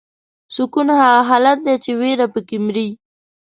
سکون هغه حالت دی چې ویره پکې مري.